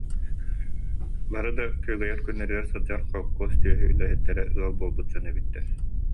Бары да күөгэйэр күннэригэр сылдьар, холкуос төһүү үлэһиттэрэ, ыал буолбут дьон эбиттэр